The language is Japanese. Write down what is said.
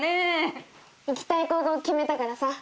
行きたい高校決めたからさ。